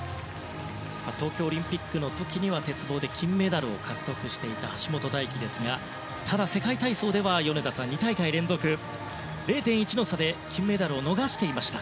東京オリンピックの時には鉄棒で金メダルを獲得していた橋本大輝ですがただ世界体操では２大会連続０．１の差で金メダルを逃していました。